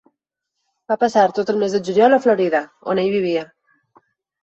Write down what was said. Va passar tot el mes de juliol a Florida, on ell vivia.